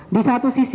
di satu sisi